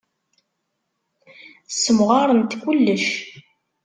Ssemɣarent kullec.